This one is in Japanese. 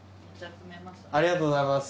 ありがとうございます。